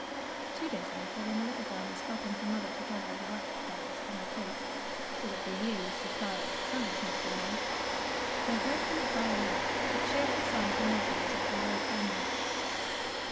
Two days later, when the little girl was helping her mother to gather the wax berries from the twigs, so that the yearly supply of candles might be made, they heard from the Bayou the cheerful song of the negroes as they rowed homeward.